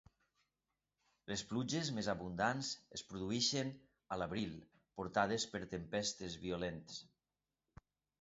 Les pluges més abundants es produeixen a l'abril, portades per tempestes violents.